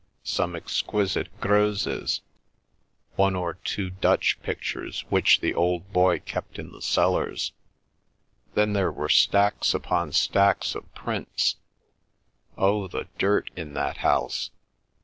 Some exquisite Greuzes—one or two Dutch pictures which the old boy kept in the cellars. Then there were stacks upon stacks of prints. Oh, the dirt in that house!